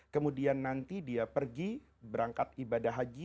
kemudian nanti dia pergi berangkat ibadah haji